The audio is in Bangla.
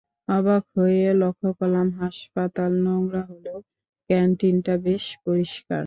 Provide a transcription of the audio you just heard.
অবাক হয়ে লক্ষ করলাম হাসপাতাল নোংরা হলেও ক্যান্টিনাটা বেশ পরিষ্কার।